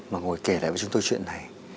mà ngồi kể lại với chúng tôi chuyện này